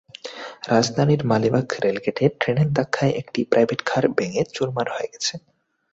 রাজধানীর মালিবাগ রেলগেটে ট্রেনের ধাক্কায় একটি প্রাইভেট কার ভেঙে চুরমার হয়ে গেছে।